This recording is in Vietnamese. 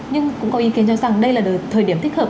nhưng cũng có ý kiến cho rằng đây là thời điểm thích hợp